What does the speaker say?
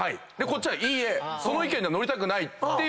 こっちは「いいえ」その意見には乗りたくないってなって。